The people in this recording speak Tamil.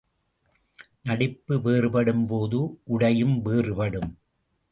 நடிப்பு வேறுபடும் போது உடையும் வேறுபடும்.